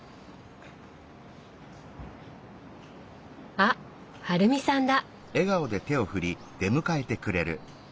あっ春美さんだ。